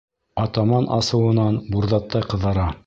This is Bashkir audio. Атаман асыуынан бурҙаттай ҡыҙара: